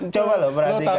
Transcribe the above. coba lo perhatikan